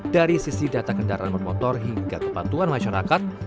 dari sisi data kendaraan bermotor hingga kebantuan masyarakat